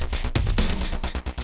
dia mau nyerang deanne